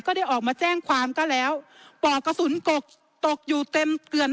ได้ออกมาแจ้งความก็แล้วปลอกกระสุนกกตกอยู่เต็มเกลือน